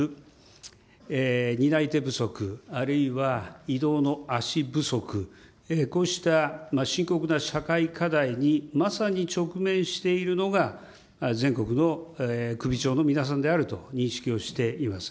先ほども申し上げた、各地で生じている担い手不足、あるいは移動の足不足、こうした深刻な社会課題に、まさに直面しているのが、全国の首長の皆さんであると認識をしています。